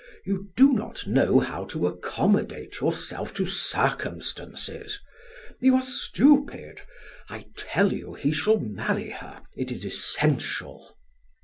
You do not know how to accommodate yourself to circumstances. You are stupid! I tell you he shall marry her; it is essential."